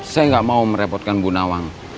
saya nggak mau merepotkan bu nawang